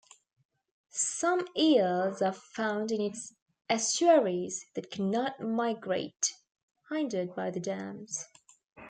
Some eels are found in its estuaries, that cannot migrate, hindered by the dams.